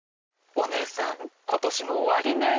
お姉さん今年も終わりねぇ。